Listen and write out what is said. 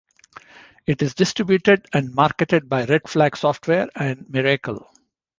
It is distributed and marketed by Red Flag Software and Miracle.